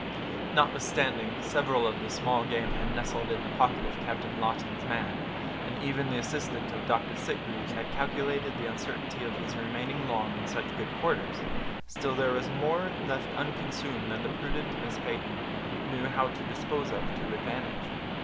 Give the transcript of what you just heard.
Notwithstanding several of the small game had nestled in the pocket of Captain Lawton's man, and even the assistant of Dr. Sitgreaves had calculated the uncertainty of his remaining long in such good quarters, still there was more left unconsumed than the prudent Miss Peyton knew how to dispose of to advantage.